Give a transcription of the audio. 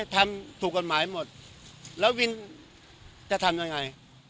ทำถูกกฎหมายหมดแล้ววินจะทำยังไง